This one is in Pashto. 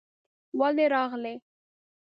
ولې راغلې؟